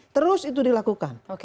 terus itu dilakukan